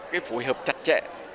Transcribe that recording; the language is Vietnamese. cái phù hợp chặt chẽ